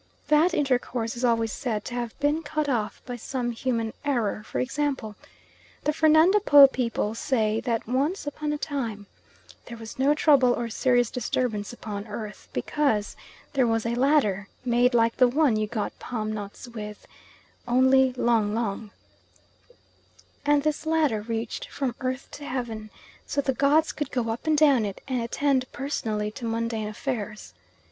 That intercourse is always said to have been cut off by some human error; for example, the Fernando Po people say that once upon a time there was no trouble or serious disturbance upon earth because there was a ladder, made like the one you get palm nuts with, "only long, long;" and this ladder reached from earth to heaven so the gods could go up and down it and attend personally to mundane affairs.